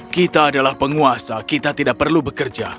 kita adalah penguasa kita tidak perlu bekerja